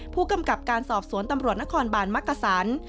ผู้กำกับการสอบสวนตำรวจนครบาลมักกษัน